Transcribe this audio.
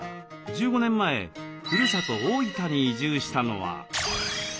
１５年前ふるさと大分に移住したのは。